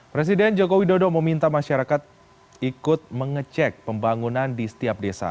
presiden joko widodo meminta masyarakat ikut mengecek pembangunan di setiap desa